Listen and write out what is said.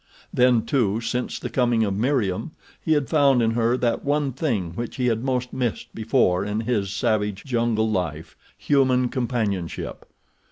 Then, too, since the coming of Meriem he had found in her that one thing which he had most missed before in his savage, jungle life—human companionship.